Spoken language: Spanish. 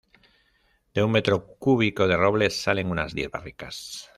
De un metro cúbico de roble salen unas diez barricas.